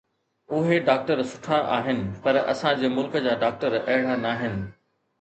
اهي ڊاڪٽر سٺا آهن، پر اسان جي ملڪ جا ڊاڪٽر اهڙا ناهن